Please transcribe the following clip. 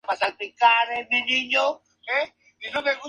Egghead aparece como un personaje jugable en "Lego Marvel Vengadores".